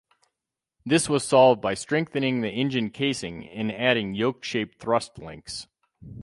This was solved by strengthening the engine casing and adding yoke-shaped thrust links.